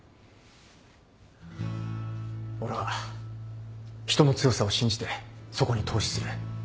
俺は人の強さを信じてそこに投資する。